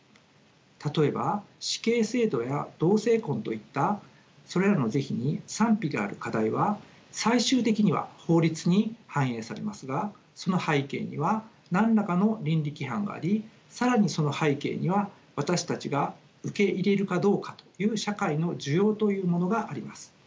例えば死刑制度や同性婚といったそれらの是非に賛否がある課題は最終的には法律に反映されますがその背景には何らかの倫理規範があり更にその背景には私たちが受け入れるかどうかという社会の受容というものがあります。